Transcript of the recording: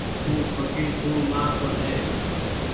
او سوٽي سون مآر رو ڇي۔